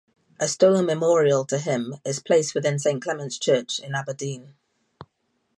A stone memorial to him is placed within St Clements Church in Aberdeen.